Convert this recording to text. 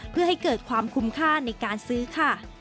เพื่อให้เกิดความคุ้มค่าในการซื้อค่ะ